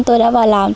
tôi đã vào làm